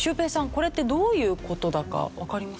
これってどういう事だかわかりますか？